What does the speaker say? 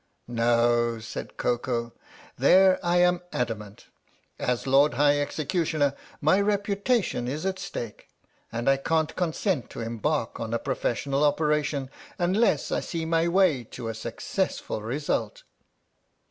"No," said Koko. "There I am adamant. As Lord High Executioner my reputation is at stake, and I can't consent to embark on a professional operation unless I see my way to a successful result."